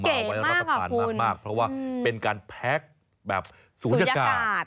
เอาเหมาไว้รัฐภัณฑ์มากเพราะว่าเป็นการแพ็กแบบสวยากาศ